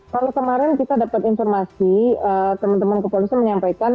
kalau kemarin kita dapat informasi teman teman kepolisian menyampaikan